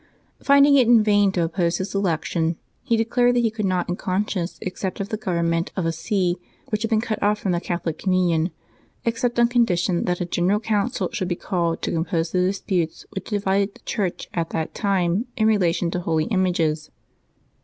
Finding it in vain to oppose his election, he declared tliat he could not in conscience accept of tlie government of a see which had been cut off from the Catholic communion, except on condition that a general council should be called to compose the disputes which divided the Church at that time in relation to holy images.